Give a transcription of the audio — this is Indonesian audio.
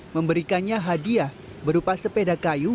memberikannya hadiah berupa sepeda kayu